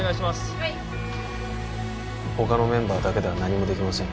はい他のメンバーだけでは何もできませんよ